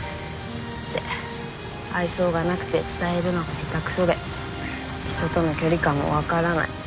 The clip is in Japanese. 愛想がなくて伝えるのが下手くそで人との距離感もわからない。